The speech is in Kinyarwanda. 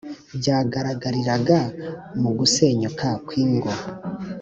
byagaragariraga mu gusenyuka kw ingo